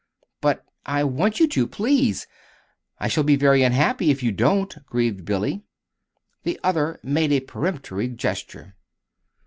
"But I want you to, please. I shall be very unhappy if you don't," grieved Billy. The other made a peremptory gesture.